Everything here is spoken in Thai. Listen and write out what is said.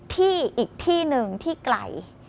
ที่อีกที่หนึ่งที่ไกล